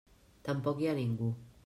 Tampoc hi ha ningú.